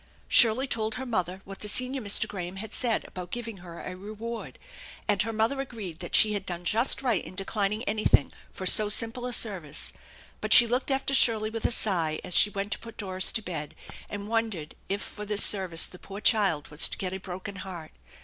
Shirley told her mother what the senior Mr. Graham had said about giving her a reward, and her mother agreed that she had done just right in declining anything for so simple a service, but she looked after Shirley with a sigh as she went to put Doris to bed, and wondered if for this service the poor child was to get a broken heart.